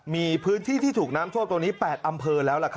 มีพื้นที่ที่ถูกน้ำท่วมตรงนี้๘อำเภอแล้ว